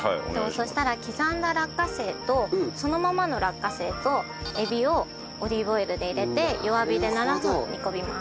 そしたら刻んだ落花生とそのままの落花生とエビをオリーブオイルへ入れて弱火で７分煮込みます。